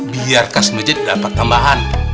biar kas meja dapat tambahan